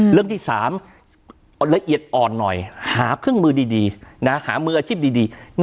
เรื่องที่๓ละเอียดอ่อนหน่อยหาเครื่องมือดีหามืออาชีพดี